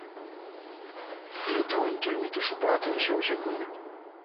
Qiluta wantulmi tuśhupaakun Shawshakuna.